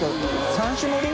３種盛り？